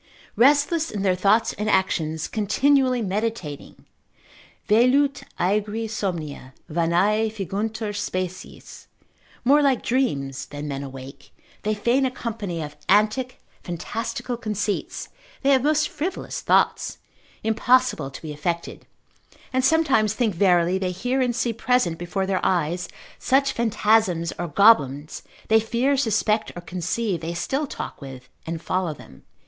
Restless in their thoughts and actions, continually meditating, Velut aegri somnia, vanae finguntur species; more like dreams, than men awake, they fain a company of antic, fantastical conceits, they have most frivolous thoughts, impossible to be effected; and sometimes think verily they hear and see present before their eyes such phantasms or goblins, they fear, suspect, or conceive, they still talk with, and follow them.